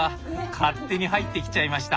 勝手に入ってきちゃいました。